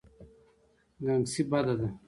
ګنګسي بده ده.